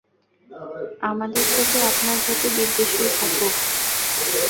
আমাদের প্রতি আপনার যত বিদ্বেষই থাকুক।